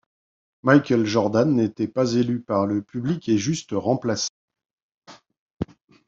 Michael Jordan n'était pas élu par le public et juste remplaçant.